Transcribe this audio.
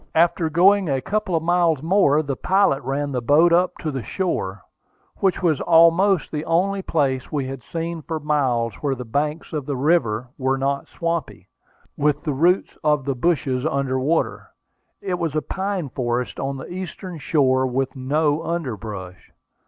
After going a couple of miles more, the pilot ran the boat up to the shore, which was almost the only place we had seen for miles where the banks of the river were not swampy, with the roots of the bushes under water. It was a pine forest on the eastern shore, with no underbrush.